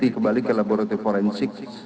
kembali ke laboratorium forensik